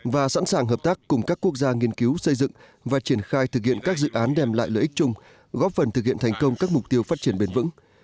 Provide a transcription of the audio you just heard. và sẵn sàng hợp tác cùng các quốc gia nghiên cứu xây dựng và triển khai thực hiện các dự án đem lại lợi ích chung góp phần thực hiện thành công các mục tiêu phát triển bền vững